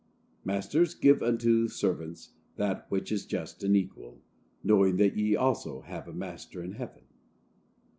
"Masters, give unto servants that which is just and equal, knowing that ye also have a Master in heaven."